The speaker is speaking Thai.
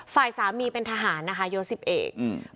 ฝ่ายสามีเป็นทหารนะคะยศสิบเอกอืม